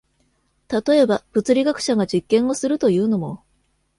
例えば、物理学者が実験をするというのも、